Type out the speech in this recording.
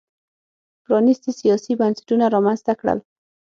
پرانیستي سیاسي بنسټونه رامنځته کړل.